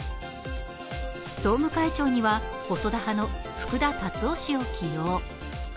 総務会長には、細田派の福田達夫氏を起用。